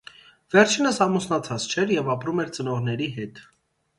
Վերջինս ամուսնացած չէր և ապրում էր ծնողների հետ։